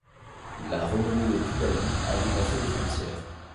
La renommée de Toulali a dépassé les frontières.